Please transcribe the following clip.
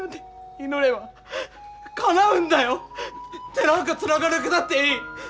手なんかつながなくたっていい。